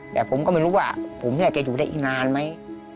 แต่ผมก็ไม่รู้ว่าผมเนี่ยแกอยู่ได้อีกนานไหม